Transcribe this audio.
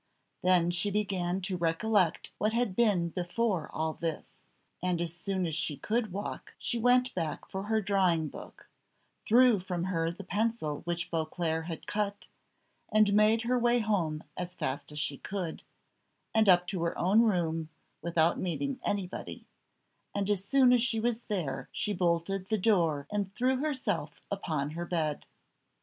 Then she began to recollect what had been before all this, and as soon as she could walk she went back for her drawing book, threw from her the pencil which Beauclerc had cut, and made her way home as fast as she could, and up to her own room, without meeting anybody; and as soon as she was there she bolted the door and threw herself upon her bed.